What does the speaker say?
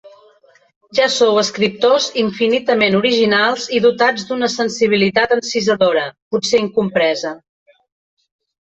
Ja sou escriptors infinitament originals i dotats d'una sensibilitat encisadora, potser incompresa.